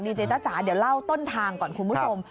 เจ๊จ้าจ๋าเดี๋ยวเล่าต้นทางก่อนคุณผู้ชม